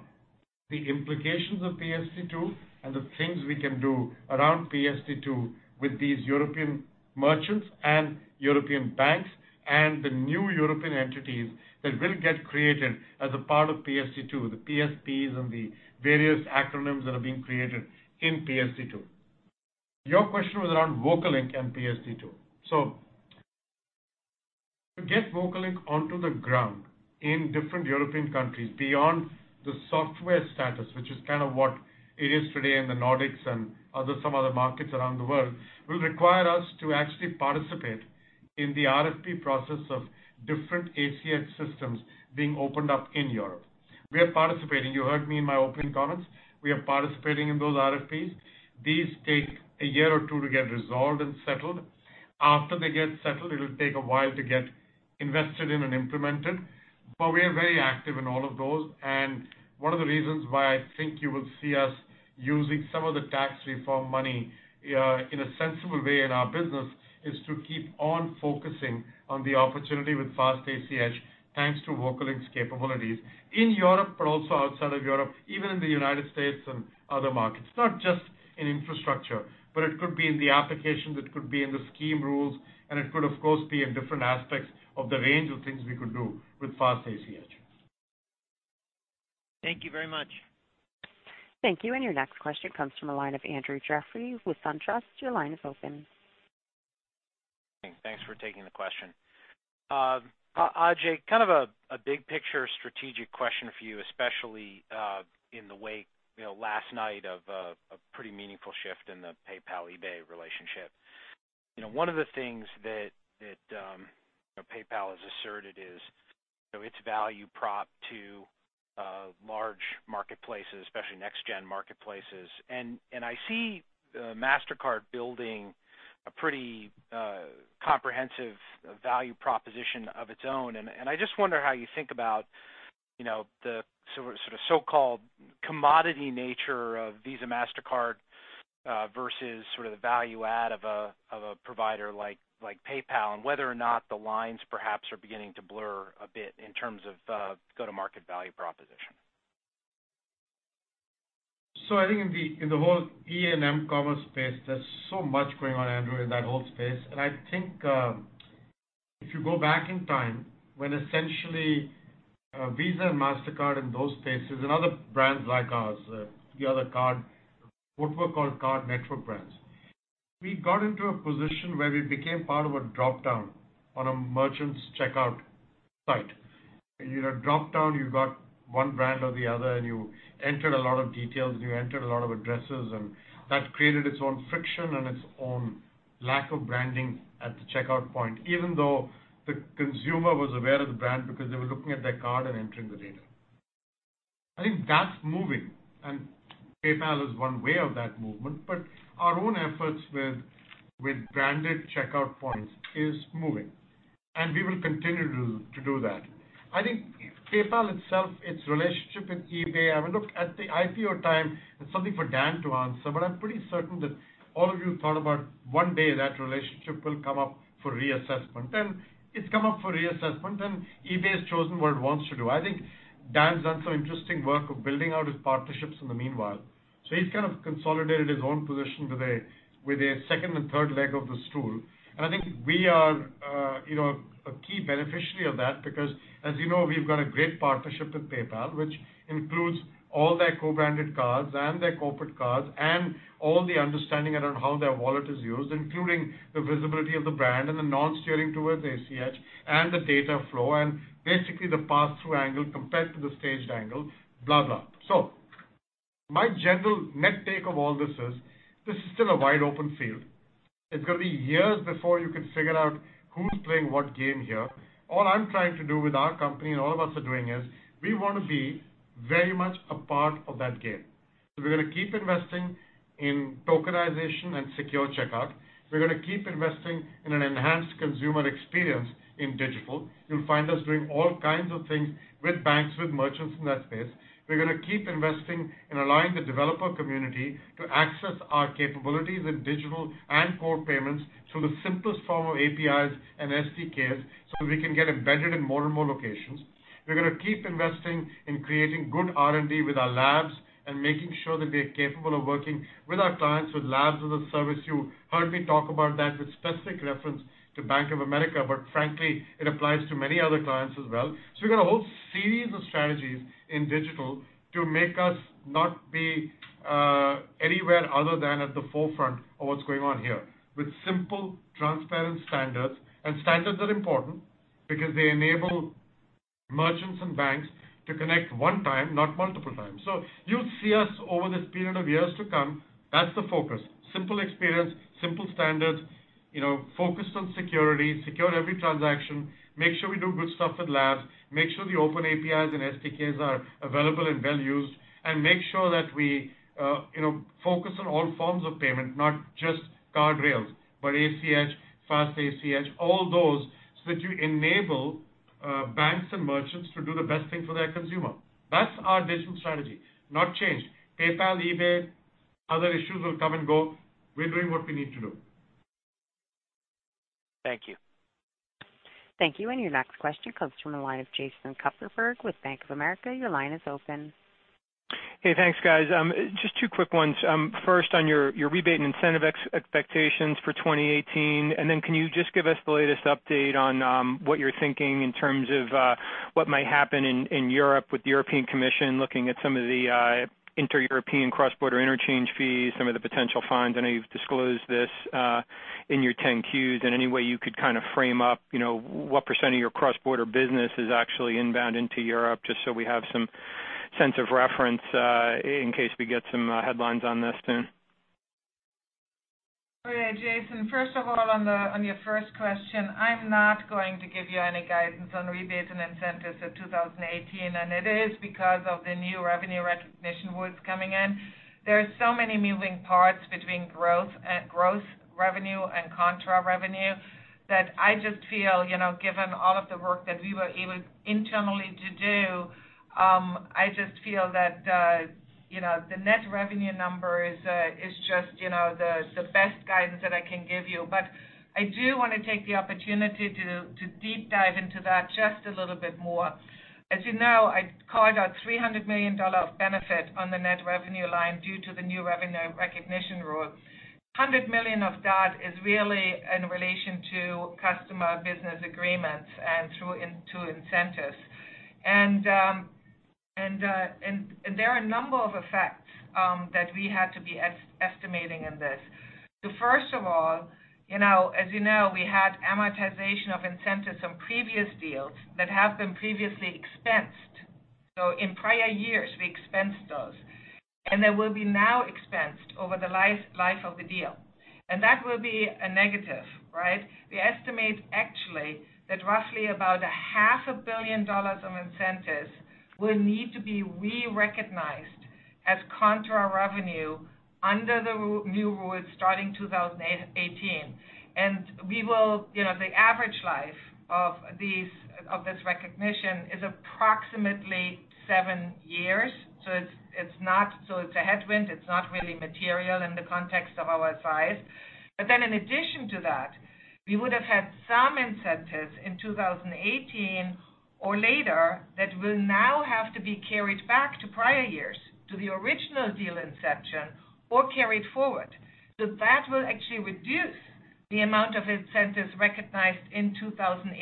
the implications of PSD2 and the things we can do around PSD2 with these European merchants and European banks and the new European entities that will get created as a part of PSD2, the PSPs and the various acronyms that are being created in PSD2. Your question was around VocaLink and PSD2. To get VocaLink onto the ground in different European countries beyond the software status, which is what it is today in the Nordics and some other markets around the world, will require us to actually participate in the RFP process of different ACH systems being opened up in Europe. We are participating. You heard me in my opening comments. We are participating in those RFPs. These take a year or two to get resolved and settled. After they get settled, it'll take a while to get invested in and implemented. We are very active in all of those, and one of the reasons why I think you will see us using some of the Tax Reform money in a sensible way in our business is to keep on focusing on the opportunity with Fast ACH, thanks to VocaLink's capabilities in Europe but also outside of Europe, even in the United States and other markets. Not just in infrastructure, but it could be in the applications, it could be in the scheme rules, and it could, of course, be in different aspects of the range of things we could do with Fast ACH. Thank you very much. Thank you. Your next question comes from the line of Andrew Jeffrey with SunTrust. Your line is open. Thanks for taking the question. Ajay, a big picture strategic question for you, especially in the wake, last night, of a pretty meaningful shift in the PayPal-eBay relationship. One of the things that PayPal has asserted is its value prop to large marketplaces, especially next gen marketplaces. I see Mastercard building a pretty comprehensive value proposition of its own. I just wonder how you think about the so-called commodity nature of Visa, Mastercard versus sort of the value add of a provider like PayPal, and whether or not the lines perhaps are beginning to blur a bit in terms of go-to-market value proposition. I think in the whole E&M commerce space, there's so much going on, Andrew, in that whole space. I think if you go back in time when essentially Visa and Mastercard in those spaces and other brands like ours, the other card, what were called card network brands. We got into a position where we became part of a dropdown on a merchant's checkout site. In a dropdown, you got one brand or the other. You entered a lot of details. You entered a lot of addresses, and that created its own friction and its own lack of branding at the checkout point, even though the consumer was aware of the brand because they were looking at their card and entering the data. I think that's moving. PayPal is one way of that movement. Our own efforts with branded checkout points is moving. We will continue to do that. I think PayPal itself, its relationship with eBay, I mean, look, at the IPO time, it's something for Dan to answer, but I'm pretty certain that all of you thought about one day that relationship will come up for reassessment. It's come up for reassessment. eBay has chosen what it wants to do. I think Dan's done some interesting work of building out his partnerships in the meanwhile. He's kind of consolidated his own position with a second and third leg of the stool. I think we are a key beneficiary of that because, as you know, we've got a great partnership with PayPal, which includes all their co-branded cards and their corporate cards and all the understanding around how their wallet is used, including the visibility of the brand and the non-steering towards ACH and the data flow and basically the pass-through angle compared to the staged angle, blah. My general net take of all this is, this is still a wide open field. It's going to be years before you can figure out who's playing what game here. All I'm trying to do with our company, all of us are doing is, we want to be very much a part of that game. We're going to keep investing in Tokenization and secure checkout. We're going to keep investing in an enhanced consumer experience in digital. You'll find us doing all kinds of things with banks, with merchants in that space. We're going to keep investing in allowing the developer community to access our capabilities in digital and core payments through the simplest form of APIs and SDKs so we can get embedded in more and more locations. We're going to keep investing in creating good R&D with our labs and making sure that they're capable of working with our clients with Labs as a Service. You heard me talk about that with specific reference to Bank of America, but frankly, it applies to many other clients as well. We've got a whole series of strategies in digital to make us not be anywhere other than at the forefront of what's going on here. With simple, transparent standards are important because they enable merchants and banks to connect one time, not multiple times. You'll see us over this period of years to come. That's the focus. Simple experience, simple standards focused on security, secure every transaction, make sure we do good stuff with labs, make sure the open APIs and SDKs are available and well-used, make sure that we focus on all forms of payment, not just card rails. ACH, Fast ACH, all those so that you enable banks and merchants to do the best thing for their consumer. That's our digital strategy. Not changed. PayPal, eBay, other issues will come and go. We're doing what we need to do. Thank you. Thank you. Your next question comes from the line of Jason Kupferberg with Bank of America. Your line is open. Hey, thanks, guys. Just two quick ones. First on your rebate and incentive expectations for 2018. Can you just give us the latest update on what you're thinking in terms of what might happen in Europe with the European Commission looking at some of the inter-European cross-border interchange fees, some of the potential fines? I know you've disclosed this in your 10-Qs. Any way you could kind of frame up what % of your cross-border business is actually inbound into Europe, just so we have some sense of reference in case we get some headlines on this soon. Okay, Jason. First of all, on your first question, I'm not going to give you any guidance on rebates and incentives for 2018. It is because of the new revenue recognition rules coming in. There are so many moving parts between growth revenue and contra revenue that I just feel, given all of the work that we were able internally to do, I just feel that the net revenue number is just the best guidance that I can give you. I do want to take the opportunity to deep dive into that just a little bit more. As you know, I called out $300 million of benefit on the net revenue line due to the new revenue recognition rule. $100 million of that is really in relation to customer business agreements and through incentives. There are a number of effects that we had to be estimating in this. First of all as you know, we had amortization of incentives on previous deals that have been previously expensed. In prior years, we expensed those. They will be now expensed over the life of the deal. That will be a negative, right? We estimate actually that roughly about a half a billion dollars of incentives will need to be re-recognized as contra revenue under the new rules starting 2018. The average life of this recognition is approximately seven years. It's a headwind. It's not really material in the context of our size. In addition to that, we would have had some incentives in 2018 or later that will now have to be carried back to prior years to the original deal inception or carried forward. That will actually reduce the amount of incentives recognized in 2018.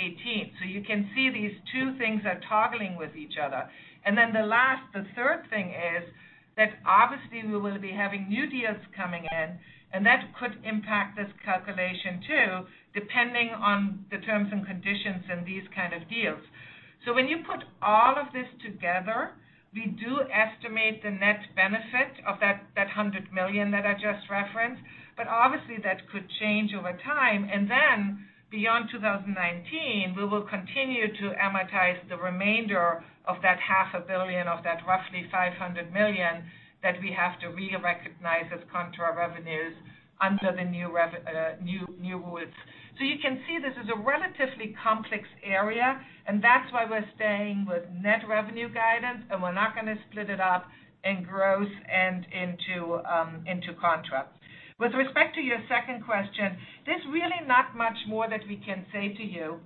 You can see these two things are toggling with each other. The last, the third thing is that obviously we will be having new deals coming in, and that could impact this calculation too, depending on the terms and conditions in these kind of deals. When you put all of this together, we do estimate the net benefit of that $100 million that I just referenced. Obviously that could change over time. Beyond 2019, we will continue to amortize the remainder of that half a billion, of that roughly $500 million that we have to re-recognize as contra revenues under the new rules. You can see this is a relatively complex area, and that's why we're staying with net revenue guidance, and we're not going to split it up in gross and into contra. With respect to your second question, there's really not much more that we can say to you.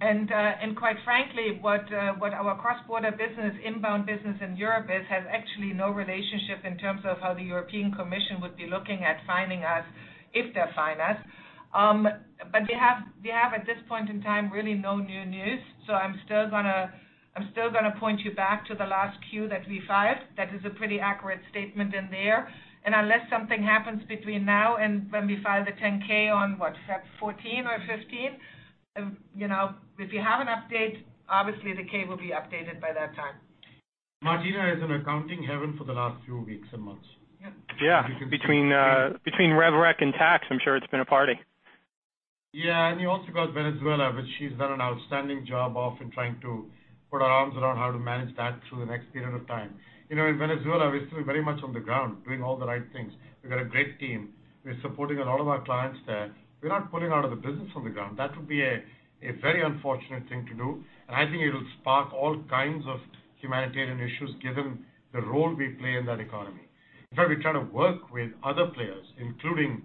Quite frankly, what our cross-border business, inbound business in Europe is, has actually no relationship in terms of how the European Commission would be looking at fining us if they fine us. We have, at this point in time, really no new news, so I'm still going to point you back to the last 10-Q that we filed. That is a pretty accurate statement in there. Unless something happens between now and when we file the 10-K on what, February 14 or 15? If we have an update, obviously the 10-K will be updated by that time. Martina is in accounting heaven for the last few weeks and months. Yep. Between rev rec and tax, I'm sure it's been a party. You also got Venezuela, which she's done an outstanding job of in trying to put our arms around how to manage that through the next period of time. In Venezuela, we're still very much on the ground doing all the right things. We've got a great team. We're supporting a lot of our clients there. We're not pulling out of the business on the ground. That would be a very unfortunate thing to do, and I think it'll spark all kinds of humanitarian issues given the role we play in that economy. In fact, we're trying to work with other players, including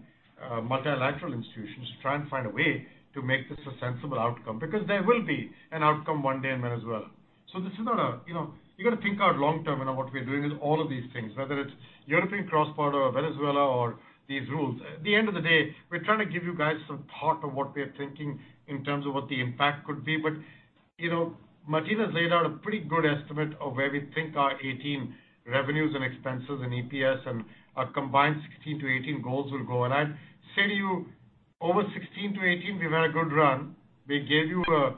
multilateral institutions, to try and find a way to make this a sensible outcome because there will be an outcome one day in Venezuela. You got to think out long term what we're doing with all of these things, whether it's European cross-border or Venezuela or these rules. At the end of the day, we're trying to give you guys some thought of what we're thinking in terms of what the impact could be. Martina's laid out a pretty good estimate of where we think our 2018 revenues and expenses and EPS and our combined 2016 to 2018 goals will go at. Say to you, over 2016 to 2018, we've had a good run. We gave you an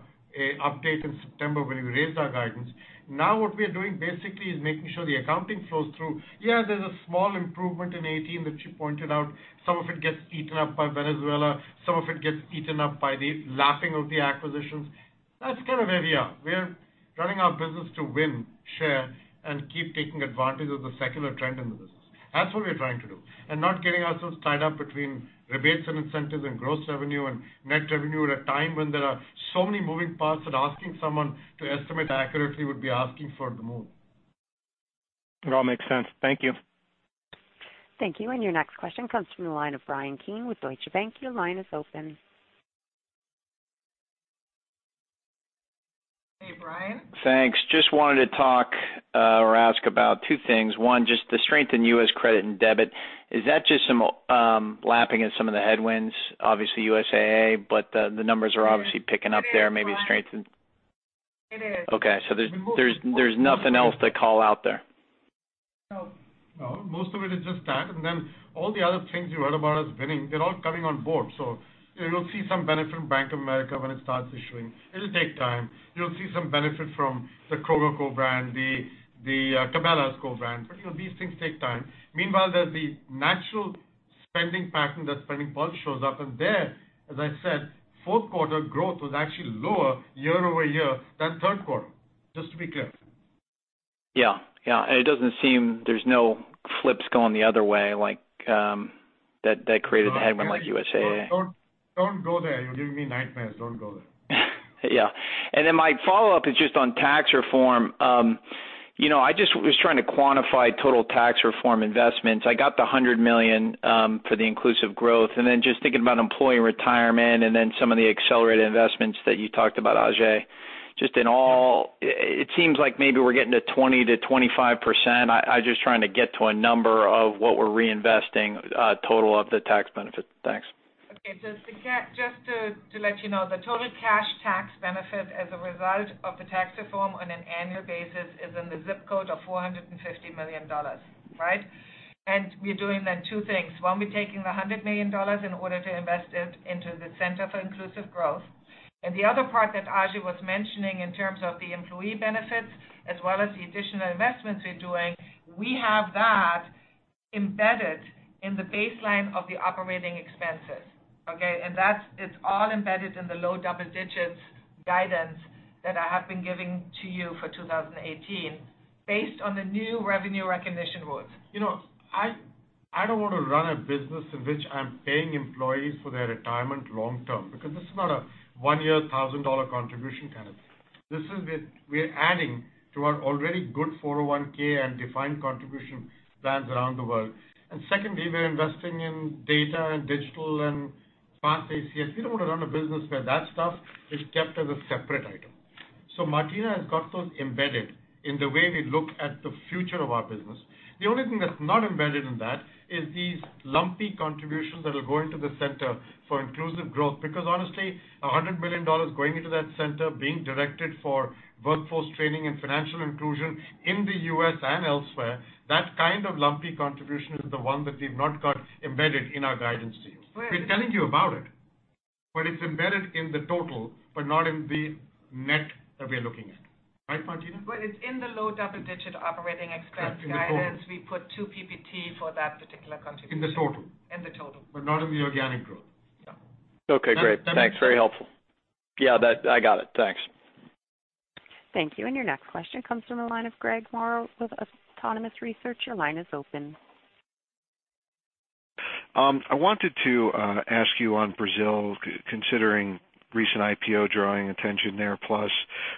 update in September when we raised our guidance. What we're doing basically is making sure the accounting flows through. There's a small improvement in 2018 that she pointed out. Some of it gets eaten up by Venezuela, some of it gets eaten up by the lapping of the acquisitions. That's kind of where we are. We're running our business to win, share, and keep taking advantage of the secular trend in the business. That's what we're trying to do, and not getting ourselves tied up between rebates and incentives and gross revenue and net revenue at a time when there are so many moving parts that asking someone to estimate accurately would be asking for the moon. It all makes sense. Thank you. Thank you. Your next question comes from the line of Bryan Keane with Deutsche Bank. Your line is open. Hey, Bryan. Thanks. Just wanted to talk or ask about two things. One, just the strength in U.S. credit and debit. Is that just some lapping at some of the headwinds, obviously USAA, but the numbers are obviously picking up there? It is, Bryan. Maybe strengthened. It is. Okay. There's nothing else to call out there? No. No. Most of it is just that, and then all the other things you heard about us winning, they're all coming on board. You'll see some benefit from Bank of America when it starts issuing. It'll take time. You'll see some benefit from the Coca-Cola brand, the Cabela's co-brand, but these things take time. Meanwhile, there's the natural spending pattern, that SpendingPulse shows up, and there, as I said, fourth quarter growth was actually lower year-over-year than third quarter, just to be clear. Yeah. It doesn't seem there's no flips going the other way, like, that created the headwind like USAA. Don't go there. You'll give me nightmares. Don't go there. Yeah. My follow-up is just on Tax Reform. I just was trying to quantify total Tax Reform investments. I got the $100 million for the inclusive growth, and then just thinking about employee retirement and then some of the accelerated investments that you talked about, Ajay. Just in all, it seems like maybe we're getting to 20%-25%. I just trying to get to a number of what we're reinvesting total of the tax benefit. Thanks. Okay. Just to let you know, the total cash tax benefit as a result of the Tax Reform on an annual basis is in the zip code of $450 million. Right? We're doing then two things. One, we're taking the $100 million in order to invest it into the Center for Inclusive Growth. The other part that Ajay was mentioning in terms of the employee benefits as well as the additional investments we're doing, we have that embedded in the baseline of the operating expenses. Okay? That is all embedded in the low double digits guidance that I have been giving to you for 2018 based on the new revenue recognition rules. I don't want to run a business in which I'm paying employees for their retirement long term, because this is not a one-year, $1,000 contribution kind of thing. We're adding to our already good 401(k) and defined contribution plans around the world. Secondly, we're investing in data and digital and Fast ACH. We don't want to run a business where that stuff is kept as a separate item. Martina has got those embedded in the way we look at the future of our business. The only thing that's not embedded in that is these lumpy contributions that are going to the Center for Inclusive Growth. Honestly, $100 million going into that center, being directed for workforce training and financial inclusion in the U.S. and elsewhere, that kind of lumpy contribution is the one that we've not got embedded in our guidance to you. We're telling you about it, but it's embedded in the total, not in the net that we're looking at. Right, Martina? It's in the low double-digit operating expense. Correct. In the total. guidance. We put two PPT for that particular contribution. In the total. In the total. Not in the organic growth. No. Okay, great. Thanks. Very helpful. Yeah, I got it. Thanks. Thank you. Your next question comes from the line of Craig Maurer with Autonomous Research. Your line is open. I wanted to ask you on Brazil, considering recent IPO drawing attention there, plus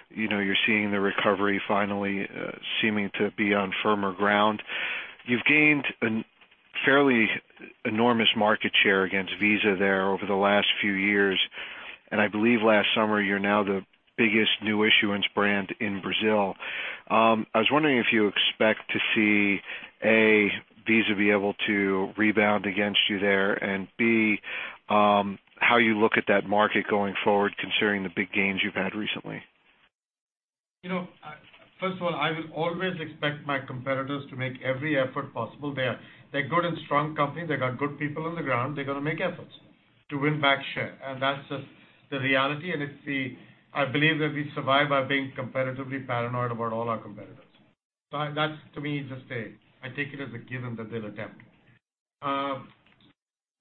you're seeing the recovery finally seeming to be on firmer ground. You've gained a fairly enormous market share against Visa there over the last few years, and I believe last summer, you're now the biggest new issuance brand in Brazil. I was wondering if you expect to see, A, Visa be able to rebound against you there, and B, how you look at that market going forward, considering the big gains you've had recently. First of all, I will always expect my competitors to make every effort possible. They're a good and strong company. They've got good people on the ground. They're going to make efforts to win back share, and that's just the reality, and it's the I believe that we survive by being comparatively paranoid about all our competitors. That's, to me, just a I take it as a given that they'll attempt.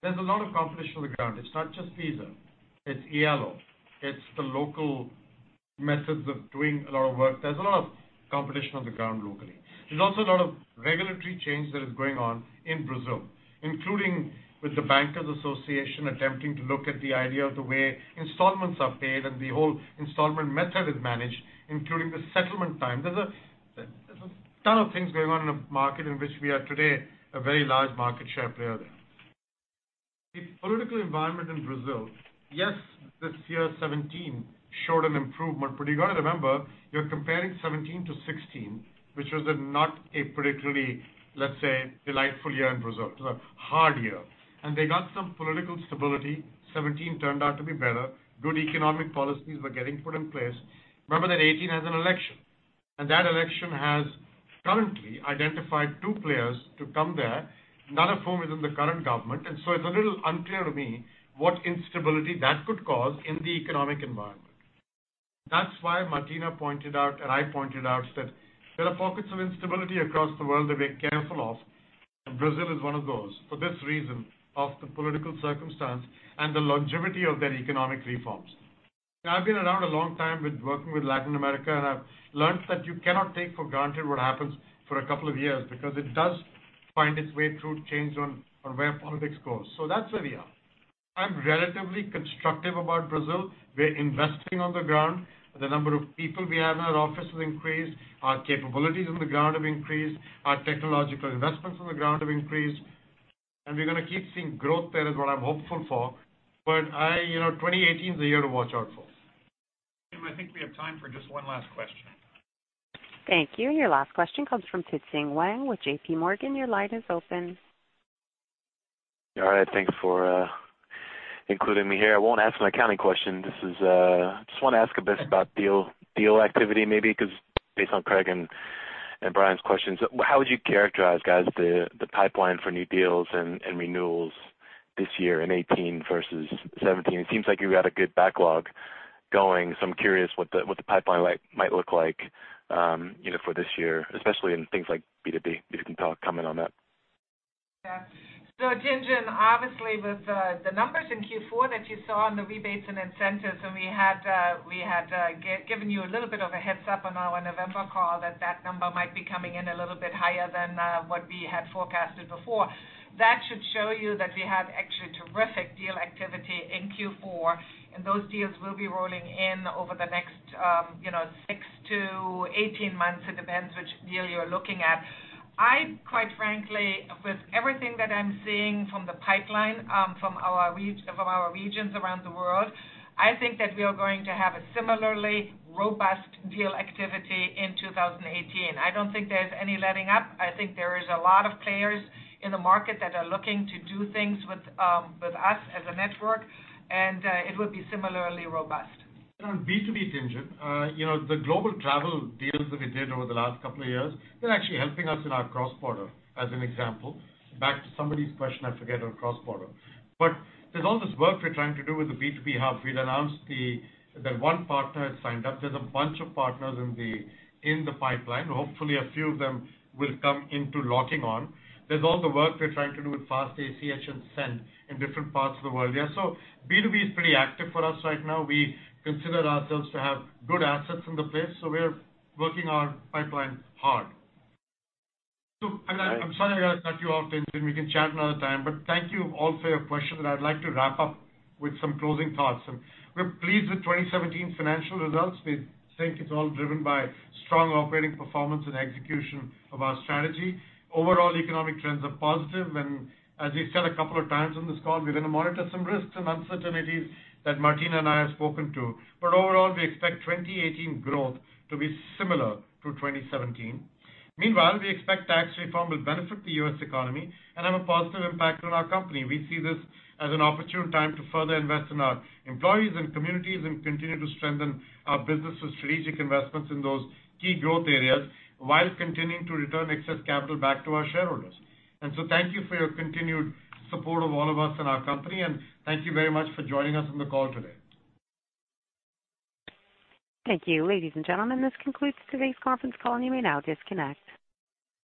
There's a lot of competition on the ground. It's not just Visa. It's Elo. It's the local methods of doing a lot of work. There's a lot of competition on the ground locally. There's also a lot of regulatory change that is going on in Brazil, including with the Bankers Association attempting to look at the idea of the way installments are paid and the whole installment method is managed, including the settlement time. There's a ton of things going on in a market in which we are today, a very large market share player there. The political environment in Brazil, yes, this year 2017 showed an improvement, you got to remember, you're comparing 2017 to 2016, which was not a particularly, let's say, delightful year in Brazil. It was a hard year. They got some political stability. 2017 turned out to be better. Good economic policies were getting put in place. Remember that 2018 has an election, and that election has currently identified two players to come there, none of whom is in the current government. It's a little unclear to me what instability that could cause in the economic environment. That's why Martina pointed out, and I pointed out, that there are pockets of instability across the world that we are careful of, and Brazil is one of those for this reason of the political circumstance and the longevity of their economic reforms. I've been around a long time with working with Latin America, and I've learned that you cannot take for granted what happens for a couple of years because it does find its way through change on where politics goes. That's where we are. I'm relatively constructive about Brazil. We're investing on the ground. The number of people we have in our office has increased. Our capabilities on the ground have increased. Our technological investments on the ground have increased. We're going to keep seeing growth there is what I'm hopeful for. 2018 is a year to watch out for. Jim, I think we have time for just one last question. Thank you. Your last question comes from Tien-tsin Huang with JP Morgan. Your line is open. All right. Thanks for including me here. I won't ask an accounting question. I just want to ask a bit about deal activity, maybe because based on Craig and Bryan's questions. How would you characterize, guys, the pipeline for new deals and renewals this year in 2018 versus 2017? It seems like you've got a good backlog going, so I'm curious what the pipeline might look like for this year, especially in things like B2B, if you can comment on that. Yeah. Tien-tsin, obviously with the numbers in Q4 that you saw on the rebates and incentives, and we had given you a little bit of a heads up on our November call that that number might be coming in a little bit higher than what we had forecasted before. That should show you that we have actually terrific deal activity in Q4, and those deals will be rolling in over the next 6 to 18 months. It depends which deal you're looking at. I, quite frankly, with everything that I'm seeing from the pipeline from our regions around the world, I think that we are going to have a similarly robust deal activity in 2018. I don't think there's any letting up. I think there is a lot of players in the market that are looking to do things with us as a network, and it will be similarly robust. On B2B, Tien-tsin, the global travel deals that we did over the last couple of years, they're actually helping us in our cross-border as an example. Back to somebody's question I forget on cross-border. There's all this work we're trying to do with the B2B Hub. We've announced that one partner has signed up. There's a bunch of partners in the pipeline. Hopefully, a few of them will come into locking on. There's all the work we're trying to do with Fast ACH and Mastercard Send in different parts of the world. B2B is pretty active for us right now. We consider ourselves to have good assets in the place, so we're working our pipeline hard. I'm sorry I got to cut you off, Tien-tsin. We can chat another time, but thank you all for your questions. I'd like to wrap up with some closing thoughts. We're pleased with 2017 financial results. We think it's all driven by strong operating performance and execution of our strategy. Overall economic trends are positive, and as we've said a couple of times on this call, we're going to monitor some risks and uncertainties that Martina and I have spoken to. Overall, we expect 2018 growth to be similar to 2017. Meanwhile, we expect tax reform will benefit the U.S. economy and have a positive impact on our company. We see this as an opportune time to further invest in our employees and communities and continue to strengthen our business with strategic investments in those key growth areas while continuing to return excess capital back to our shareholders. Thank you for your continued support of all of us and our company, and thank you very much for joining us on the call today. Thank you. Ladies and gentlemen, this concludes today's conference call. You may now disconnect.